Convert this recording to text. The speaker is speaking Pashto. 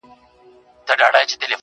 ننوتی تر اوو پوښو انجام دی,